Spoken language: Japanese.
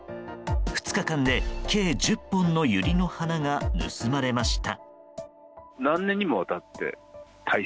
２日間で計１０本のユリの花が盗まれました。